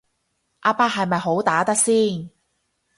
阿伯係咪好打得先